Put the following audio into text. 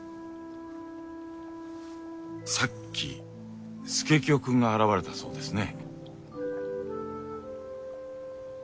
さっき佐清くんが現れたそうですね。